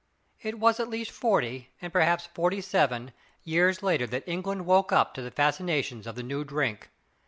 It was at least forty, and perhaps forty seven, years later that England woke up to the fascinations of the new drink.